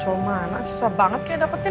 somana susah banget kayak dapetin